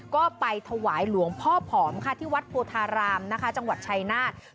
ก็ไปถวายหลวงพ่อผอมค่ะที่วัดโพธารามนะคะจังหวัดชายนาฏ